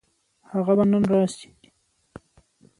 هغه به نن راشي.